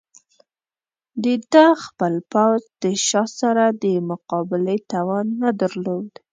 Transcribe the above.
د ده خپل پوځ د شاه سره د مقابلې توان نه درلود.